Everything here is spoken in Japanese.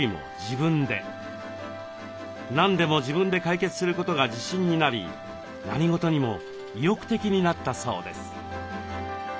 何でも自分で解決することが自信になり何事にも意欲的になったそうです。